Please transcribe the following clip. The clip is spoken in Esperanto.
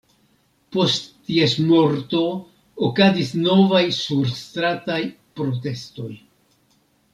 Post ties morto okazis novaj surstrataj protestoj.